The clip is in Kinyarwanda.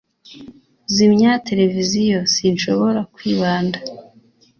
zimya televiziyo. sinshobora kwibanda